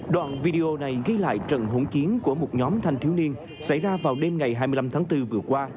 đoạn video này ghi lại trận hỗn chiến của một nhóm thanh thiếu niên xảy ra vào đêm ngày hai mươi năm tháng bốn vừa qua